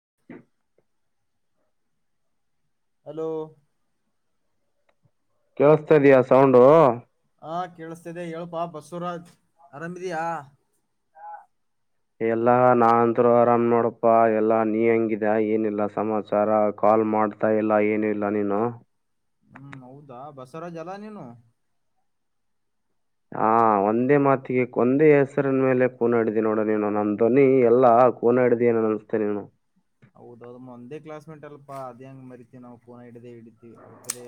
[inaudible] Hello ಕೇಳಸ್ತಾ ಇದಯಾ sound. ಹಾ ಕೇಳಿಸತಿದೆ ಹೇಳಪಾ ಬಸವರಾಜ್ ಅರಾಮಿದಿಯಾ. ಎಲ್ಲ ನಾ ಅಂತರು ಆರಾಮ್ ನೋಡಪ್ಪಾ ಎಲ್ಲ ನೀ ಹೆಂಗಿದ ಏನಿಲ್ಲ ಸಮಾಚಾರ ಕಾಲ್ ಮಾಡ್ತಾ ಇಲ್ಲ ಏನು ಇಲ್ಲ ನೀನು. ಹ್ಮ್ ಹೌದಾ ಬಸವರಾಜ್ ಅಲ ನೀನು. ಹಾ ಒಂದೇ ಮಾತಿಗೆ ಕೊಂದೇ ಹೆಸರನ್ ಮೇಲೆ ಕೂನಾಡ್ದಿ ನೋಡ ನೀನು ನನ್ ಧ್ವನಿ ಎಲ್ಲಾ ಕೂನಾಡ್ದಿ ಏನ ಅನ್ಸುತ್ತೆ ನೀನು. ಹೌದೌದ ಒಂದೇ ಕ್ಲಾಸ್ ಮೇಟ್ ಅಲ್ಪಾ ಅದೇ ಹೆಂಗ ಮರಿತಿವಿ ನಾವು ಫೋನ ಹಡ್ದದೆ ಹಡತಿವಿ ಅವ್ರ ಕಡೆ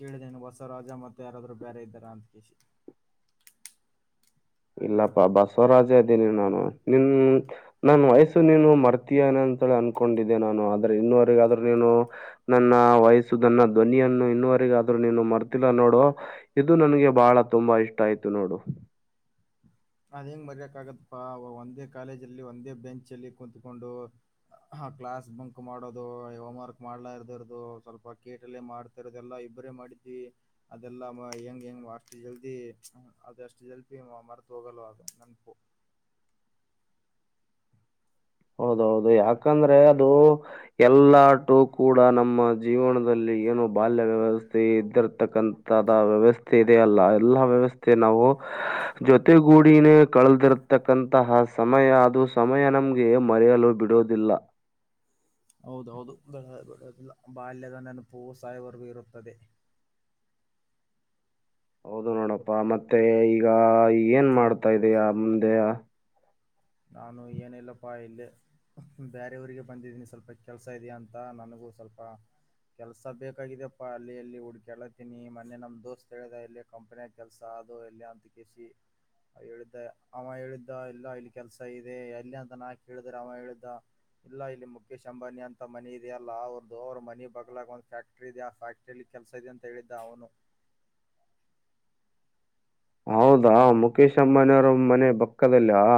ಕೇಳಿದೆ ಬಸವರಾಜ ಮತ್ತೆ ಯಾರಾದ್ರು ಬೇರೆ ಇದ್ದಾರ ಅಂತ ಅಷ್ಟೇ. ಇಲ್ಲಪ್ಪಾ ಬಸವರಾಜೇ ಇದ್ದೀನಿ ನಾನು ನಿನ್ ನನ್ ವಯಸ ನೀನು ಮರ್ತೀಯನೆ ಅಂತೇಳಿ ಅನ್ಕೊಂಡಿದ್ದೆ ನಾನು ಆದ್ರೆ ಇನ್ನವರೆಗಾದ್ರೂ ನೀನು ನನ್ನ ವಯಸ್ಸು ನನ್ನ ಧ್ವನಿಯನ್ನು ಇನ್ನವರೆಗಾದ್ರೂ ನೀನು ಮರ್ತಿಲ್ಲ ನೋಡು ಇದು ನನ್ಗೆ ಬಹಳ ತುಂಬಾ ಇಷ್ಟ ಆಯ್ತು ನೋಡು. ಅದ್ ಹೆಂಗ್ ಮರ್ಯಕ ಆಗತ್ತಪ್ಪಾ ಒಂದೇ ಕಾಲೇಜ ಅಲ್ಲಿ ಒಂದೇ ಬೆಂಚ ಅಲ್ಲಿ ಕುತ್ಕೊಂಡು ಕ್ಲಾಸ್ ಬಂಕ್ ಮಾಡೋದು ಹೋಮ್ವರ್ಕ್ ಮಾಡ್ಲಾ ಇರದಿರದು ಸ್ವಲ್ಪ ಕೇಟಲ್ಲೇ ಮಾಡ್ತಾ ಇರೋದು ಎಲ್ಲಾ ಇಬ್ಬರೇ ಮಾಡಿದ್ವಿ ಅದೆಲ್ಲಾ ಹೆಂಗ್ ಹೆಂಗ ಅಷ್ಟು ಜಲ್ದಿ ಅಷ್ಟು ಜಲ್ದಿ ಮರ್ತ್ [unintelligible] ಹೌದೌದು ಯಾಕಂದ್ರೆ ಅದು ಎಲ್ಲಟು ಕೂಡ ನಮ್ಮ ಜೀವನದಲ್ಲಿ ಏನು ಬಾಲ್ಯ ವ್ಯವಸ್ಥೆ ಇದ್ದಿರ್ತಕ್ಕಂತದ ವ್ಯವಸ್ಥೆ ಇದೆಯ ಅಲ್ಲ ಎಲ್ಲ ವ್ಯವಸ್ಥೆ ನಾವು ಜೊತೆಗೂಡಿನೇ ಕಳೆದಿರ್ತಕ್ಕಂತಹ ಸಮಯ ಅದು ಸಮಯ ನಮ್ಗೆ ಮರೆಯಲು ಬಿಡೋದಿಲ್ಲ. ಹೌದೌ ಹೌದು ಬಿಡಲ್ಲ ಬಾಲ್ಯದ ನೆನಪು ಸಾಯಿವರ್ಗೂ ಇರುತ್ತದೆ. ಹೌದು ನೋಡಪ್ಪಾ ಮತ್ತೆ ಈಗ ಏನ್ ಮಾಡ್ತಾ ಇದಯ ಮುಂದೆ. ನಾನು ಏನಿಲ್ಲಪ್ಪಾ ಇಲ್ಲಿ ಬೇರೆಯವರಿಗೆ ಬಂದಿದೀನಿ ಸ್ವಲ್ಪ ಕೆಲ್ಸ ಇದೆಯ ಅಂತ ನನಗೂ ಸ್ವಲ್ಪ ಕೆಲ್ಸ ಬೇಕಿದಪ್ಪಾ ಅಲ್ಲಿ ಎಲ್ಲಿ ಹುಡ್ಕೇಳತೀನಿ ಮೊನ್ನೆ ನಮ್ ದೋಸ್ತ್ ಹೇಳ್ದ ಇಲ್ಲ ಕಂಪನಿಯ ಕೆಲ್ಸ ಅದು ಎಲ್ಲ ಅಂತ ಕಿಸಿ ಹೇಳ ಅವ ಹೇಳಿದ್ದ ಇಲ್ಲ ಇ ಕೆಲ್ಸ ಇದೆ ಅಲ್ಲಿ ಅಂತ ನಾ ಕೇಳಿದ್ರೆ ಅವನು ಹೇಳಿದ್ದ ಇಲ್ಲ ಇಲ್ಲಿ ಮುಖೇಶ್ ಅಂಬಾನಿ ಅಂತ ಮನಿ ಇದೆಯ ಅಲ್ಲಾ ಅವ್ರ್ದ ಅವ್ರ ಮನ ಬಗ್ಲಾಗ ಒಂದ್ ಫ್ಯಾಕ್ಟ್ರಿ ಇದೆ ಆ ಫ್ಯಾಕ್ಟ್ರಲ್ಲಿ ಕೆಲ್ಸ ಇದೆ ಅಂತ ಹೇಳಿದ್ದ ಅವನು. ಹೌದಾ ಮುಖೇಶ್ ಅಮ್ಮಾನಿ ಅವ್ರ ಮನೆ ಪಕ್ಕದಲ ಹಾ.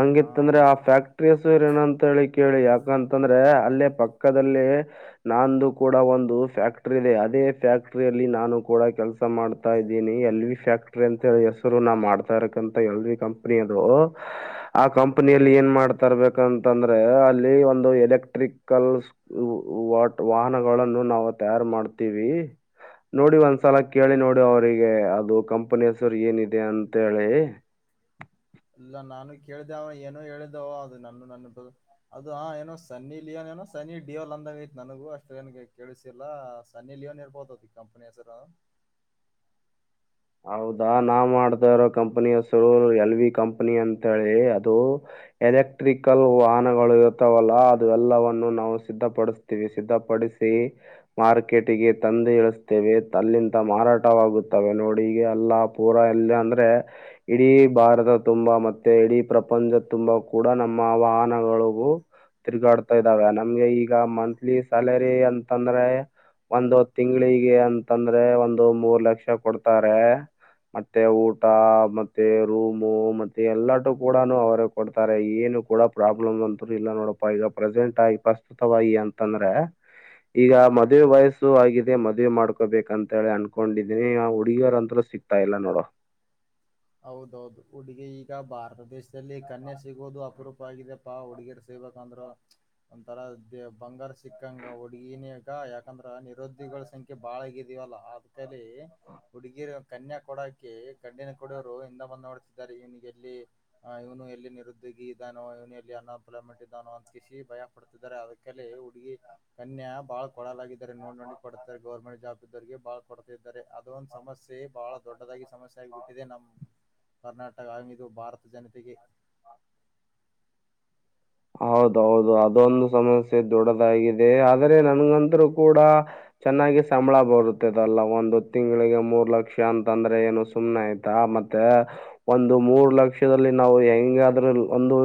ಹಂಗಿತ್ತ ಅಂದ್ರೆ ಆ ಫ್ಯಾಕ್ಟ್ರಹೆಸ್ರು ಏನ ಅಂತ ಹೇಳಿ ಕೇಳಿ ಯಾಕಂತಂದ್ರೆ ಅಲ್ಲೇ ಪಕ್ಕದಲ್ಲಿ ನಾಂದು ಕೂಡ ಒಂದು ಫ್ಯಾಕ್ಟ್ರಿ ಇದೆ ಅದೇ ಫ್ಯಾಕ್ಟರಿ ಅಲ್ಲಿ ನಾನು ಕೂಡ ಕೆಲಸ ಮಾಡ್ತಾ ಇದ್ದೀನಿ ಎಲ್ಲಿ ಫ್ಯಾಕ್ಟ್ರ ಅಂತ ಹೆಸರು ನಾ ಮಾಡ್ತಾ ಇರಕ್ಕಂತ ಎಲ್ ಕಂಪನಿ ಅದು ಆ ಕಂಪನಿಯಲ್ಲಿ ಏನ್ ಮಾಡ್ತಾ ಇರ್ಬೇಕಂತಂದ್ರೆ ಅಲ್ಲಿ ಒಂದು ಎಲೆಕ್ಟ್ರಿಕಲ್ ವ ವಾಟ್ ವಾಹನಗಳನ್ನು ನಾವು ತಯಾರ್ ಮಾಡ್ತೀವಿ ನೋಡಿ ಒಂದ್ಸಲ ಕೇಳಿ ನೋಡಿ ಅವರಿಗೆ ಅದು ಕಂಪ್ ಇನ್ನೊಂದ್ ಸಾರಿ ಏನಿದೆ ಅಂತೇಳಿ ಇಲ್ಲ ನಾನು ಕೇಳ್ದೆ ಅವ್ನ ಏನು ಹೇಳಿದ್ದವ ಅದು ನನ್ನ ನನ್ನ ಅದು ಹ ಏನೋ ಸನ್ನಿ ಲಿಯೋನ್ ಏನೋ ಸನಿ ಡಿಯೋಲ್ ಅಂದಂಗ ಐತ್ ನನಗೂ ಅಷ್ಟ ಏನ್ಗೆ ಕೇಳಸಿಲ್ಲ ಸನ್ನಿ ಲಿಯೋನ್ ಇರ್ಬೋತ ಈ ಕಂಪನಿ ಹೆಸರು. ಹೌದಾ ನಾವು ಮಾಡತ ಇರೋ ಕಂಪನಿಯಸುರು ಎಲ್ ವಿ ಕಂಪನಿ ಅಂತೇಳಿ ಅದು ಎಲೆಕ್ಟ್ರಿಕಲ್ ವಾಹನಗಳು ಇರುತ್ತವಲ್ಲಾ ಅದು ಎಲ್ಲವನ್ನುೂ ನಾವು ಸಿದ್ಧಪಡಿಸ್ತೀವಿ ಸಿದ್ಧಪಡಿಸಿ ಮಾರ್ಕೆಟಿಗೆ ತಂದು ಇಳಿಸ್ತೇವೆ ಅಲ್ಲಿಂತ ಮಾರಾಟವಾಗುತ್ತವೆ ನೋಡಿ. ಎಲ್ಲಾ ಪೂರಾ ಎಲ್ಲ ಅಂದ್ರೆ ಇಡೀ ಭಾರತ ತುಂಬಾ ಮತ್ತೆ ಇಡೀ ಪ್ರಪಂಚ ತುಂಬಾ ಕೂಡ ನಮ್ಮ ವಾಹನಗಳುಗು ತಿರುಗಾಡ್ತಾ ಇದಾವೆ ನಮ್ಗೆ ಈಗ ಮಂತ್ಲಿ ಸಾಲರಿ ಅಂತಂದ್ರೆ ಒಂದು ತಿಂಗಳಿಗೆ ಅಂತಂದ್ರೆ ಒಂದು ಮೂರ್ ಲಕ್ಷ ಕೊಡ್ ಮತ್ತೆ ಊಟ ಮತ್ತೆ ರೂಮು ಮತ್ತೆ ಎಲ್ಲಟು ಕೂಡ ಅವರ ಕೊಡ್ತಾರೆ ಏನು ಕೂಡ ಪ್ರಾಬ್ಲಮ್ ಅಂತ ಇಲ್ಲ ನೋಡಪ್ಪ ಈಗ ಪ್ರೆಸೆಂಟ್ ಆಗಿ ಪ್ರಸ್ತುತವಾಗಿ ಅಂತಂದ್ರೆ ಈಗ ಮದ್ವೇ ವಯಸ್ಸು ಆಗಿದೆ ಮದ್ವೆ ಮಾಡ್ಕೋಬೇಕಂತ ಹೇಳಿ ಅನ್ಕೊಂಡಿದೀನಿ ಹುಡಿಗಿಯೋರಂತ್ರ ಸಿಗ್ತಾ ಇಲ್ಲ ನೋಡೋ. ಹೌದೌದು ಹುಡುಗಿ ಈಗ ಭಾರತ ದೇಶದಲ್ಲಿ ಕನ್ಯೆ ಸಿಗೋದು ಅಪರೂಪ ಆಗಿದೆಪ್ಪಾ ಹುಡುಗೀರ್ ಸಿಬೇಕಂದ್ರ ಒಂಥರ ದ ಬಂಗಾರ ಸಿಕ್ಕಂಗ ಹುಡುಗಿನಿಗ ಯಾಕಂದ್ರ ನಿರೋದ್ಯೋಗಿಗಳ ಸಂಖ್ಯೆ ಬಾಳಗಿದೀವಲ್ಲ ಅದ್ಕಲ್ಲಿ ಹುಡುಗಿರ್ ಕನ್ಯೆ ಕೊಡಕಿ ಗಣ [unintelligible] ಇವನಿಗೆ ಎಲ್ಲಿ ಇವನು ಎಲ್ಲಿ ನಿರುದ್ಯೋಗಿ ಇದಾನೋ ಇವನು ಎಲ್ಲಿ ಅನ್ಎಂಪ್ಲಾಯ್ಮೆಂಟ್ ಇದಾನೋ ಅಂತ ಕಿಸಿ ಭಯ ಪಡ್ತಿದ್ದಾರೆ ಅದಕ್ಕಲ್ಲಿ ಹುಡುಗಿ ಕನ್ಯಾ ಬಹಳ ಕೊಡಲಾಗಿದ್ದಾರೆ ನೋಡ್ ನೋಡಿ ಕೊಡತಾರೆ ಗವರ್ಮೆಂಟ್ ಜಾಬ್ ಇದ್ದರಿಗೆ ಬಹಳ ಕೊಡ್ತಿದ್ದಾರೆ ಅದೊಂದು ಸಮಸ್ಯೆ ಬಹಳ ದೊಡ್ಡದಾಗಿ ಸಮಸ್ಯೆ ಆಗ್ಬಿಟ್ಟು ಇದೆ ನಮ್ಮ ಕರ್ನಾಟ್ [unintelligible] [unintelligible] ಹೌದೌದು ಅದೊಂದು ಸಮಸ್ಯೆ ದೊಡ್ಡದಾಗಿದೆ ಆದ್ರೆ ನನ್ಗಂತರು ಕೂಡ ಚೆನ್ನಾಗಿ ಸಂಬಳ ಬರುತ್ತದಲ್ಲ ಒಂದು ತಿಂಗಳಿಗೆ ಮೂರ್ ಲಕ್ಷ ಅಂತಂದ್ರೆ ಏನು ಸುಮ್ನೆ ಆಯ್ತಾ ಮತ್ತೆ ಒಂದು ಮೂರ್ ಲಕ್ಷದ ನಾವು ಹೆಂಗಾದ್ರೂ ಒಂದು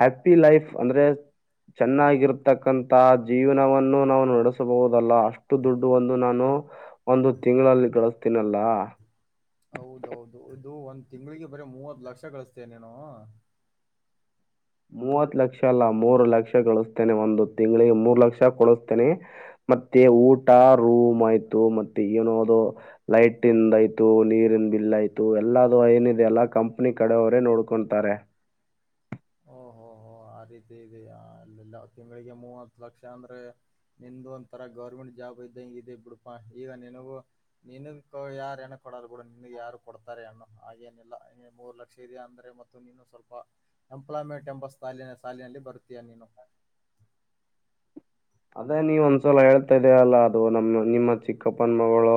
ಹ್ಯಾಪಿ ಲೈಫ್ ಅಂದ್ರೆ ಚೆನ್ನಾಗಿರ್ತಕ್ಕಂತ ಜೀವನವನ್ನು ನಾವು ನಡೆಸಬಹುದಲ್ಲ ಅಷ್ಟು ದುಡ್ಡು ಒಂದು ನಾನು ಒಂದು ತಿಂಗಳಲ್ಲಿ ಗಳಿಸತೀನಲ್ಲ. ಹೌದೌದು ಇದು ಒಂದ್ ತಿಂಗಳಿಗೆ ಬರೀ ಮೂವತ್ ಲಕ್ಷ ಗಳಿಸ್ತೇ ನೀನು. ಮೂವತ್ ಲಕ್ಷ ಅಲ್ಲ ಮೂರು ಲಕ್ಷ ಗಳಿಸ್ತೇನೆ ಒಂದು ತಿಂಗಳಿಗೆ ಮೂರು ಲಕ್ಷ ಕೊಡುಸ್ತೇನೆ ಮತ್ತೆ ಊಟ ರೂಮ್ ಆಯ್ತು ಮತ್ತೆ ಏನೋದು ಲೈಟ್ಂದ ಆಯ್ತು ನೀರಿನ ಬಿಲ್ ಆಯ್ತು ಎಲ್ಲದು ಏನಿದೆ ಅಲ್ಲ ಕಂಪನಿ ಕಡವರೇ ನೋಡ್ಕೊತಾರೆ. ಈ ರೀತಿ ತಿಂಗಳಿಗೆ ಮೂವತ್ ಲಕ್ಷ ಅಂದ್ರೆ ನಿ ಒಂಂತರ ಗೌರ್ಮೆಂಟ್ ಜಾಬ್ ಇದ್ದ ಹಂಗದೆ ಬಿಡಪಾ ಈಗ ನಿನಗೂ ನಿನ ಯಾರ ಹೆಣ್ಣ ಕೊಡಾರ ಬಿಡ ನಿನ ಯಾರು ಕೊಡ್ತಾರೆ ಅಣ್ಣು ಹಾಗೇನಿಲ್ಲ ಮೂರು ಲಕ್ಷ ಇಯಾ ಅಂದ್ರೆ ನೀನು ಸ್ವಲ್ಪ ಎಂಪ್ಲಾಯ್ಮೆಂಟ್ ಎಂಬ ಸಾಲಿನ ಸಾಲಿನಲ್ಲಿ ಬರುತೀಯ ನೀನು ಅದೇ ನೀವ ಒಂದ್ಸಲ ಹೇಳ್ತಾ ಇದೇ ಅಲ್ಲಾ ಅದು ನಮ್ಮ ನಿಮ್ಮ ಚಿಕ್ಕಪ್ಪನ್ ಮಗಳು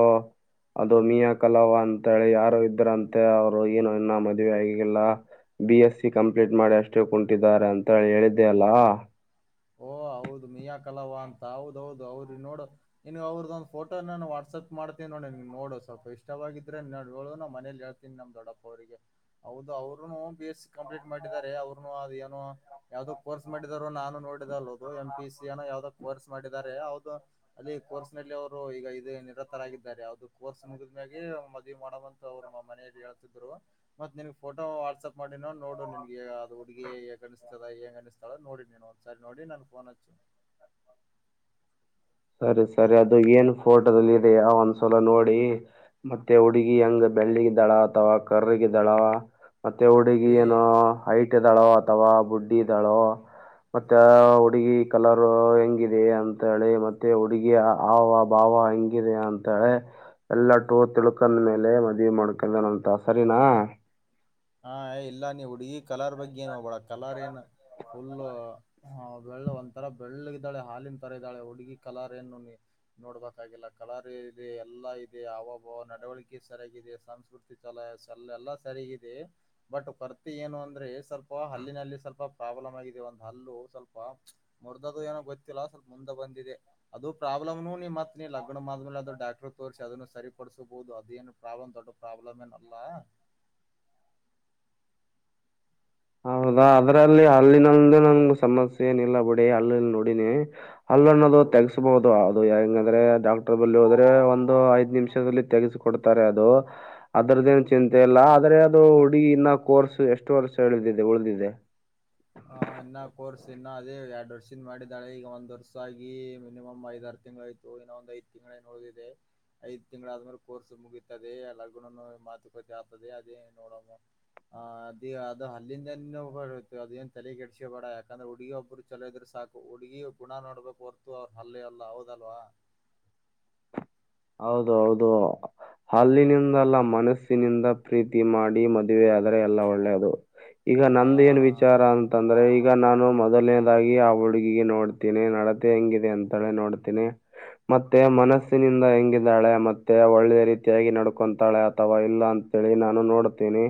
ಅದು ಮಿಯಾ ಕಲಾವ ಅಂತಿ ಯಾರು ಇದ್ರಂತೆ ಅವ್ರು ಏನು ಇನ್ನ ಮದುವೆ ಆಗೆಲ್ಲಾ ಬಿ ಎಸ್ಸ ಕಂಪ್ಲೀಟ್ ಮಾಡಿ ಅಷ್ಟೇ ಕುಂಟಿದ್ದಾರೆ ಅಂತ ಹೇಳಿ ಹೇಳಿದ್ದೇ ಅಲ್ಲ ಓ ಹೌದು ಮಿಯಾ ಕಲಾವ ಅಂತ ಹೌದೌದು ಅವ್ರಿಗೆ ನೋಡು ನಿನ್ ಅವ್ರದೊಂದ್ ಫೋಟೋ ನಾನು ವಾಟ್ಸಪ್ ಮಾಡ್ತೀನಿ ನೋಡ ನೋಡು ಸ್ವಲ್ಪ ಇಷ್ಟವಾಗಿದ್ರೆ ಹೇಳುದು ನ ಮನೇಲಿ ಹೇಳ್ತೀ ನಮ್ ದೊಡ್ಡಪ್ಪ ಅವ್ರರಿಗೆ ಹೌದು ಅವರುನು ಬಿ ಎಸ್ ಸಿ ಕಂಪ್ಲೀಟ್ ಮಾಡಿದ್ದಾರೆ ಅವ್ರುನು ಅದ ಏನೋ ಯಾವವುದೋ ಕೋರ್ಸ್ ಮಾಡಿದಾರೋ ನಾನು ನೋಡಿ ಎಂ ಪಿ ಸಿ ಅನ್ನ ಯಾವ್ದೋ ಕೋರ್ಸ್ ಮಾಡಿದ್ದಾರೆ ಅವದು ಅಲ್ಲಿ ಕೋರ್ಸ್ ನಲ್ಲಿ ಅವರು ಈಗ ಇ ನಿರತರಾಗಿದ್ದಾರೆ ಅವ್ದ ಕೋರ್ಸ್ ಮುಗಿದಾಗಿ ಮದುವವಿ ಮಾಡವಂತ ಅವರು ಮನೆಯಲ್ಲಿ ಹೇಳ್ತಿದ್ರು ಮತ್ತ ನಿನ್ಗ್ ಫೋಟೋ ವಾಟ್ಸ್ಪ್ ಮಾಡಿ ನೋಡು ನಿನ್ಗೆ ಅದು ಹುಡುಗಿಗ್ ಅನಿಸ್ತದ ಹೆಂಗ ಅನಿಸ್ತಳ ನೋಡಿ ನೀನು. ಸರಿ ನೋಡಿ ನನ್ ಫೋನ್ ಹಚ್ಚು. ಸರಿ ಸರಿ ಅದು ಏನ್ ಫೋಟೋದಲ್ಲಿ ಇದೆಯ ಒಂದ್ಸಲ ನೋಡಿ ಮತ್ತೆ ಹುಡುಗಿ ಹೆಂಗ ಬೆಳ್ಳಿಗೆ ದಳ ಅಥವಾ ಕರ್ರಗ ಇದಳಾವ ಮತ್ತೆ ಹುಡುಗಿ ಏ ಏನು ಐಟ ದಳ ವಾ ಬುಡ್ಡಿದಾಳು ಮತ್ತೆ ಹುಡುಗಿ ಕಲರ್ ಹೆಂಗಿದೆ ಅಂತೇಳಿ ಮತ್ತೆ ಹುಡುಗಿ ಆವ ಭಾವ ಹೆಂಗಿದೆ ಅಂತಳೆ ಎಲ್ಲಟ್ಟು ತಿಳ್ಕಂದ ಮೇಲೆ ಮದವಿ ಮಾಡ್ಕಿದನ ಅಂತ ಸರಿನಾ ಹ ಇಲ್ಲ ನೀ ಹುಡುಗಿ ಕಲರ್ ಬಗ್ಗೆ ಏನ್ ಹೋಗ್ಬಳ ಕಲರ್ ಏನು ಫುಲ್ ಬೆಳ್ಳ ಒಂಥರ ಬೆಳ್ಳ್ದಾಳೆ ಹಾಲಿನ ತರ ಇದ್ದಾಳೆ ಹುಡ್ಗಿ ಕಲರ್ ಏನು ನೀ ನೋಡ್ಬೇಕಾಗಿಲ್ಲ ಕಲರ್ ಇದೆ ಎಲ್ಲಾ ಇದೆ ಅವಾವಬ್ಬ ನಡವಳಿಕೆ ಸರಿಯಾಗಿದೆ ಸಂಸ್ಕೃತಿ ಚಲ ಎಲ್ಲ ಎಲ್ಲಾ ಸರಿಯಾಗಿದೆ ಬಟ್ ಕೊರ್ತಿ ಏನು ಅಂದ್ರೆ ಸ್ವಲ್ಪ ಹ ಹಲ್ಲಿನಲ್ಲಿ ಸ್ವಲ್ಪ ಪ್ರಾಬ್ಲಮ್ ಆಗಿದೆ ಒಂದು ಹಲ್ಲು ಸ್ವಲ್ಪ ಮುರಿದದು ಏನೋ ಗೊತ್ತಿಲ್ಲ ಸ್ವಲ್ಪ ಮುಂದೆ ಬಂದ ಅದು ಪ್ರಾಬ್ಲಮ್ನು ನೀ ಮತ್ತ ನೀ ಲಗ್ನ ಮಾಡ್ಮೇಲೆ ಅದು ಡಾಕ್ಟರ್ ತೋರಿಸಿ ಅದನ್ನು ಸರಿಪಡಿಸಬಹುದು ಅದೇನು ರಾಂತ ತಟ [inaudible] ಪ್ರಾಬ್ಲಮೇಏನ ಅಲ್ಲ ಹೌದಾ ಅದ್ರಲ್ಲಿ ಅಲ್ಲಿನ ನಂಗ ನಂಗ ಸಮಸ್ಯೆ ಏನ ಇಲ್ಲ ಬಿಡಿ ಅಲ್ಲಲ್ಲಿ ನೋಡಿನಿ ಅಲ್ಲ ಅನ್ನೋದು ಹೌದೌದು ತೆಗಸಬಹುದು ಅದು ಡಾಕ್ಟರ್ ಬಲ್ಲಿ ಹೋದ್ರೆ ಒಂದು ಐದ್ ನಿಮಿಷದಲ್ಲಿ ತೆಗೆಸಕ ಕೊಡ್ತಾರೆ ಅದು ಅದ್ರದೇಏನು ಚಿಂತೆ ಇಲ್ಲ ಆದ್ರೆ ಅದು ಹುಡುಗ ಇನ್ನ ಕೋರ್ಸ್ ಎಷ್ಟು ವರ್ಷ ಳದಿದೆ ಉಳಿದಿದ್ದಿದೆ ಆ ಇನ್ನ ಕೋರ್ಸ್ ಇನ್ನ ಅದೇ ಎರಡ್ ವರ್ಷಿಂದ ಮಾಡಿದಾಳೆ ಈಗ ಒಂದ್ ವರ್ಷ ಆಗಿ ಮಿನಿಮಮ್ ಐದ ಆರ್ ತಿಂ್ ಆಯತು ಇನ್ನ ಒಂದ್ ಐ್ ತಿಂಗಳೇ ನೋಡಿದೆ ಐದ್ ತಿಂಗಳ ಆದ್ಮೇಲೆ ಕೋರ್ಸ್ ಮುಗತದೆ ಲಗುನ ಮಾತುಕತೆ ಆಗ್ತದೆ ಅದೇ ನೋಡೋಣ ಅ ಅ ಅದು ಅಲ್ಲಿಂದ ಇ ಅದನ್ ಚಲೆ ಕೆಡಸ ಬೇಡ ಯಾಕಂದ್ರೆ ಹುಡುಗಿಯ ಒಬ್ರು ಚಲೋ ಇದ್ರು ಸಾಕು ಹುಡುಗಿ ಗುಣ ನೋಡ್ಬೇಕು ಹೊರ್ತು ಅವ್ರ ಹಲ್ಲೆ ಅಲ್ಲ ಹೌದಲ್ವಾ ಹೌದು ಹೌದು ಅಲ್ಲಿನಿಂದ ಅಲ್ಲ ಮನಸ್ಸಿನಿಂದ ಪ್ರೀತಿ ಮಾಡಿ ಮದುವೆ ಆದರೆ ಎಲ್ಲ ಒಳ್ಳೇದು ಈಗ ಹ ನಂದ ಏನ್ ಹಾ ವಿಚಾರ ಅಂತಂದ್ರೆ ಈಗ ಈಗ ನಾನು ಮೊದಲನೇದಾಗಿ ಆ ಹುಡುಗಿಗೆ ನೋಡ್ತೇನಿ ನಡತೆ ಹೆಂಗಿದೆ ಅಂತಳೆ ನೋಡ್ತೀನೆ ಮತ್ತೆ ಮನಸ್ಸಿನಿಂದ ಹೆ ಾಳೆ ಮತ್ತೆ ಒಳ್ಳೆ ರೀತಿಯಾಗಿ ನಡ್ಕೊಂತಾಳೆ ಅಥವಾ ಇಲ್ಲ ಅಂತೇಳಿ ನಾನು ನೋಡ್ತೀನಿ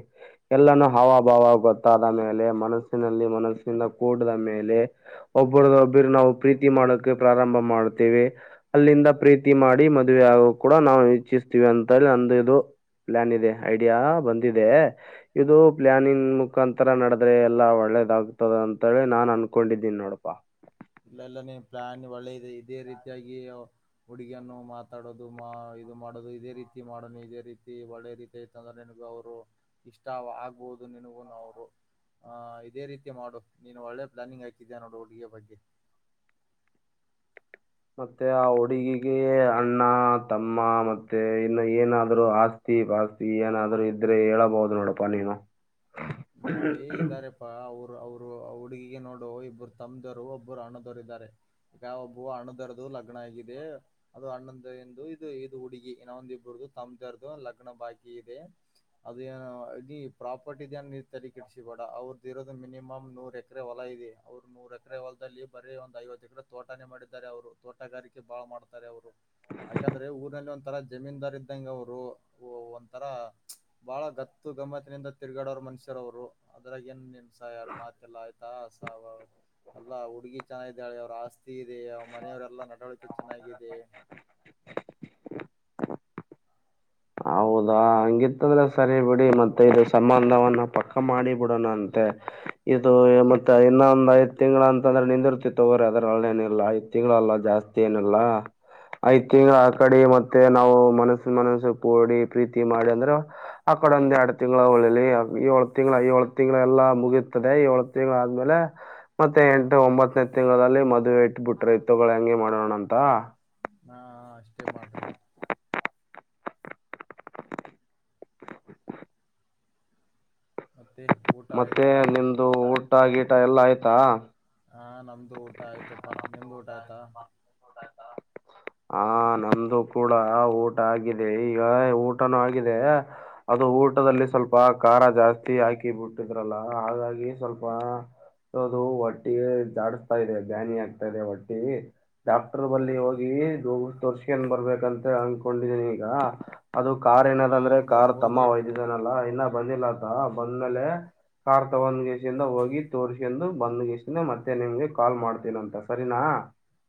ಎಲ್ಲಾನೂ ಹಾವಭಾವ ಗೊತ್ತಾದ ಮೇಲೆ ಮನಸ್ಸಿನಲ್ಲಿ ಮನಸ್ಸಿಂದ ಕೂಡದ ಮೇಲೆ ಒಬರದ ಒಬ್ಬರು ನಾವು ಪ್ರೀತಿ ಮಾಡಕ ಪ್ರಾರಂಭ ಮಾಡ್ತೀವಿ ಅಲ್ಲಿಂದ ಪ್ರೀತಿ ಮಾಡಿ ಮ ಮದುವ ಆಗ ಕೂಡ ನಾವು ಇಚ್ಛಿಸ್ತೀವಿ ಅಂತೇಳಿ ನಂದು ಇದು ಪ್ಲಾನ್ ಇದೆ ಐಡಿಯಾ ಬಂದಿದೆ ಇದು ಪ್ಲಾನಿಂಗ್ ಮುಖಾಂತರ ನಡದ್ರೆ ಎಲ್ಲಾ ಒಳ್ಳೇದಾಗತದ ಅಂತೇಳಿ ನಾನ್ ಅನ್ಕೊಂಡಿದ್ದೀನಿ ನೋಡಪಾ ಇಲ್ಲ ಎಲ್ಲ ನೀನು ಪ್ಲಾನ್ಿ ಒಳ್ಳೆ ಇದೆ ಇದೇ ರೀತಿಯಾಗಿ ಹುಡುಗಿಯನ್ನು ಮಾತಾಡೋದು ಇದು ಮಾಡೋದು ಇದೇ ರೀತಿ ಮಾಡೋ ನೀ ಇದೇ ರೀತಿ ಒಳ್ಳೆ ರೀತಿ ತಂದ್ರೆ ನಿನಗೂ ಅವರು ಇಷ್ಟ ಆಗ್ಬಹುದು ನಿನಗೂ ಅವರು್ ಇದೇ ರೀತಿ ಮಾಡು ನೀನು ಒಳ್ಳೆ ಪ್ಲಾನಿಂಗ್ ಹಾಕಿದ ನೋಡು ಹುಡುಗ ಬಗ್ಗೆ ಮತ್ತೆ ಆ ಹುಡುಗಿಗೆ ಅಣ್ಣ ತಮ್ಮ ಮತ್ತೆ ಇನ್ನು ಏನಾದ್ೂ ಆಸ್ತಿ ಪಾಸ್ತಿ ಏನಾದ್ರರು ಇದ್ರೆ ಹೇಳಬಹುದು ನೋಡಪ್ಪಾ ನೀನು ಮ ಏ ಇದ್ದಾರೆಪ್ಪಾ ಅವ್ರು ಅವರು ಹುಡುಗಿಗೆ ನೋಡು ಇಬ್ಬರು ತಮ್ದವರು ಒಬ್ಬರು ಅಣದವರು ಇದ್ದಾರೆ ಈಗ ಒಬ್ಬ ಹಣ್ಣದರ್ದುು ಲಗ್ನ ಆಗಿದೆ ಅದು ಅಣ್ಣದಂದು ಇದು ಇದು ಹುಡುಗಿ ಇನ್ನ ಒಂದು ಇಬರದು ತಮ್ದರ್ದು ಲಗ್ನ ಬಾಕಿ ಇದೆ ಅದು ಏನು ಇ ಪ್ರಾಪರ್ಟಿ ಇದನ್ ತರಿಕಡಿಸಿ ಬೇಡ ಅವ್ರದ್ದ ಇರೋದು ಮಿನಿಮಮ್ ನೂರ್ ಎಕರೆ ಹೊಲ ಇದೆ ಅವ್ರು ನೂರ ಎಕರೆ ಹೊಲದಲ್ಲಿ ಬರೇ ಒಂದಂದು ಐವತ್ತು ಎಕರೆ ತೋಟಾನೇ ಮಾಡಿದ್ದಾರೆ ಅವರು ತೋಟಗಾರಿಕೆ ಬಾಳ ಮಾಡ್ತಾರೆ ಅವರು ಯಾಕಂದ್ರೆ ಊರಲ್ಲಿ ಒಂ ತರ ಜಮೀನ್ದಾರ್ ಇದ್ದಂ ಅವರು ಒಂಥರ ಬಹಳ ಗತ್ತು ಗಮ್ಮತ್ತಿನಿಂದ ತಿರ್ಗಾಡೋರ ಮನ್ಷ [inaudible] ರು ಅದ್ರಾಗ ಏನ್ ಸ ಎರಡು ಮಾತಲ್ಲ ಆಯ್ತಾಸ ಅವ ಎಲ್ಲಾ ಹುಡುಗಿ ಚೆನ್ನಾಗಿದ್ದಾಳೆ ಅವ್ರ ಆಸ್ತಿ ಇದೆ ಅವ ಮನೆಯವರೆಲ್ಲಾ ನಡವಳಿಕೆ ಚೆನ್ನಾಗಿದೆ ಹೌದಾ ಹಂಗಿತ್ತಂದ್ರೆ ಸರಿ ಬಿಡಿ ಮತ್ತೆ ಇ ಸಂಬಂಧವನ್ನ ಪಕ್ಕ ಮಾಡಿ ಬಿಿಡೋಣ ಅಂತೆ ಇದು ಮತ್ತೆ ಇನ್ನೊಂದ್ ಐದ ತಿಂಗ್ ಅಂತಂದ್ರೆ ನಿಂದಿರ್ತಿ ತಗೋ್ರ ಅದ್ರ ಅಲ್ಲೇನಿಲ್ಲ ಐದ ತಿಂಗಳಲ್ಲ ಜಾಸ್ತಿ ಏನಿಲ್ಲಾ ಐದ ತಿಂಗಂಗಳ ಆ ಕಡೆ ಮತ್ತೆ ನಾವು ಮನಸ್ಸ ಮನಸ್ಸ ಕಓಡಿ ಪ್ರೀತಿ ಮಾಡಿ ಅಂದ್ರೆ ಆಕಡೆ ಒಂದ್ ಎರಡ್ ತಿಂಗಳ ಹೊಳಲಿ ಏಳ್ ತಿಂ್ಳ ಏಳ ತಿಂಳ ಎಲ್ಲ ಮುಗೀತದೆ ಏಳ ತಿಂಗಳ ಆದ್ಮೇಲೆ ಮತ್ತೆ ಎಂಟು ಒಂಬತ್ತನೇ ತಿಂಗಳ ಮದ್ವೆೆ ಇಟ್ಬ ಬಿಟ್ರೆ ತಗೊಳ ಹೆಂಗೆ ಮಾಡೋಣ ಅಂತ ಹಾ ಅಷ್ಟೇ ಮಾಡ್ರಿ ಮತ್ತ ಊಟ ಮತ್ತೆ ಆಯ್ತಾ ನಿಮ್ದು ಊಟ ಗೀಟ ಎಲ್ಲಾ ಆಯ್ತಾ ಹ ನಮ್ದು ಊಟ ಆಯ್ತಪ್ಪಾ ನಿಮ್ದು ಊಟ ಆಯ್ತಾ ಹ ನಮ್ದು ಕೂಡ ಊಟ ಆಗಿದೆ ಈಗ ಊಟನೂ ಆಗಿದೆ ಅದು ಊಟದಲ್ಲಿ ಸ್ವಲ್ಪ ಖಾರ ಜಾಸ್ತಿ ಹಾಕಿ ಬಿಟ್ಟಿದ್ರಲ್ಲ ಹಾಗಾಗಿ ಸ್ವಲ್ಪ ಅದು ಒಟ್ಟಿ ಜಾಡಸ್ತಾ ಇದೆ ದಾನಿ ಆಗ್ತಾ ಇದೆ ಒಟ್ಟಿ ಡಾಕ್ಟರ್ ಬಲ್ಲಿ ಹೌದು ಹೋಗಿ ಹತ್ತು ವರ್ಷಕನ್ ಬರ್ಬೇಕಂತ ಅನ್ಕೊಂಡಿದೀನಿ ಈಗ ಅದು ಕಾರ್ ಏನದ ಹಾ ಅಂದ್ರೆ ಹೌದೌದು ಕಾರ್ ತಮ್ಮ ಹೋಗಿ ಒಯ್ದಿದನಲ್ಲಾ ಇನ್ನ ಬಂದಿಲ್ಲತ್ತ ಬಂದ್ಮೇಲೆ ಕಾರ್ ತಗೊಂಡ್ ಗೇಸಿಯಿಂದ ಹೋಗಿ ತೋರ್ಸೊಂಡ ಬಂದ್ ಗೇಸಿಂದ ಮತ್ತೆ ನಿಮ್ಗೆ ಕಾಲ್ ಮಾಡ್ತೀನ ಅಂತ ಸರಿನಾ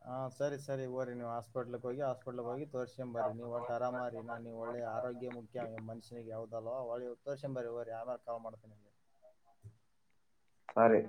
ಹಾ ಸರಿ ಸರಿ ಒ ನೀವು ಹಾಸ್ಪಿಟಲ್ ಹೋಗ ಹಾಸ್ಪಟ್ಲ್ ಹೋಗಿ ವರ್ಷ ಬರಿ ನೀವು ಒಟ್ಟು ಆರಾಮಾರಿ ನ ನೀವು ಒಳ್ಳೆ ಆರೋಗ್ಯ ಮುಖ್ಯ ಮನುಷ್ಯನಿಗೆ ಯಾವ್ದ ಲ್ವಾ ಒಳಿ ತೋರ್ಸಂಬರ ಬರಿ ಯಾರ್ಯಾರು ಕಾವ ಮಾಡ್ತೇನಿ ಇಲ್ಲಿ ಸಾರೆ.